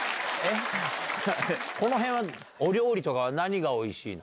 この辺は、お料理とかは、何がおいしいの？